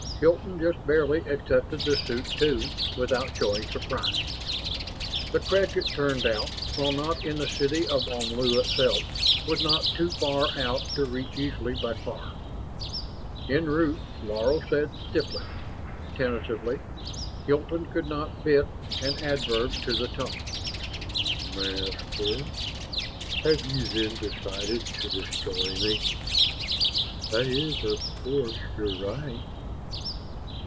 Hilton, just barely, accepted the suit, too, without showing surprise. The creche, it turned out, while not in the city of Omlu itself, was not too far out to reach easily by car. En route, Laro said stiffly? Tentatively? Hilton could not fit an adverb to the tone "Master, have you then decided to destroy me? That is of course your right."